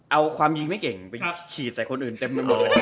เอาความยิงไม่เก่งไปฉีดใส่คนอื่นเต็มไปหมดเลย